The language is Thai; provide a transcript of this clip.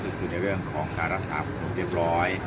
ในเรื่องของการรักษาผลขุมเรียบร้อย